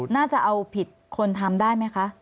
น่าจะเอาผิดคนทำได้ไหมคะ